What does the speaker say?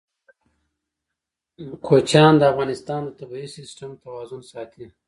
کوچیان د افغانستان د طبعي سیسټم توازن ساتي.